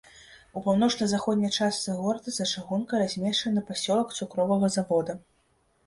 У паўночна-заходняй частцы горада за чыгункай размешчаны пасёлак цукровага завода.